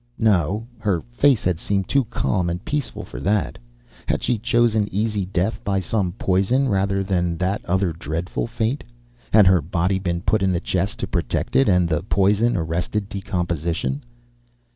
No, her face had seemed too calm and peaceful for that. Had she chosen easy death by some poison, rather than that other dreadful fate? Had her body been put in the chest to protect it, and the poison arrested decomposition?